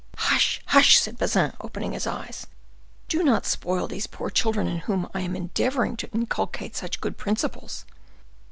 "Hush! hush!" said Bazin, opening his eyes: "do not spoil these poor children, in whom I am endeavoring to inculcate such good principles."